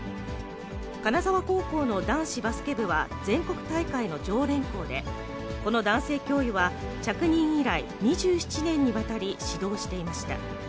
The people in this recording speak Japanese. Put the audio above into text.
金沢高校の男子バスケ部は全国大会の常連校で、この男性教諭は着任以来、２７年にわたり、指導していました。